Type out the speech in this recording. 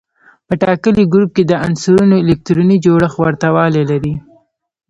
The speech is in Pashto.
په ټاکلي ګروپ کې د عنصرونو الکتروني جوړښت ورته والی لري.